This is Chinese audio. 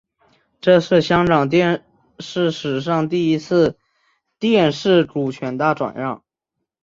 这是香港电视史上第一次电视股权大转让。